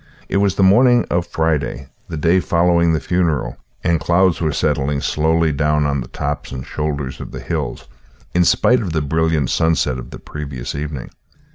It was the morning of Friday, the day following the funeral, and clouds were settling slowly down on to the tops and shoulders of the hills in spite of the brilliant sunset of the previous evening.